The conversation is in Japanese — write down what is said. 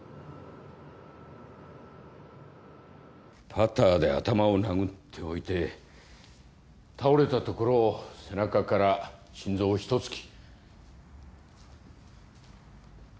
パターで頭を殴っておいて倒れたところを背中から心臓を一突き。